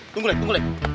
tunggu lek tunggu lek